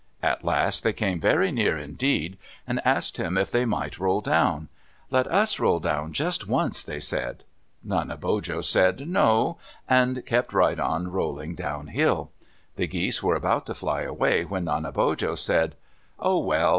At last they came very near indeed and asked him if they might roll down. "Let us roll down just once," they said. Nanebojo said, "No!" and kept right on rolling downhill. The geese were about to fly away when Nanebojo said, "Oh, well.